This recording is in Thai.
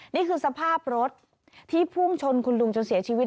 นี่คือสภาพรถที่พุ่งชนคุณลุงจนเสียชีวิต